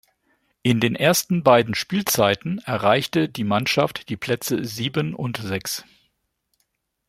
In den ersten beiden Spielzeiten erreichte die Mannschaft die Plätze sieben und sechs.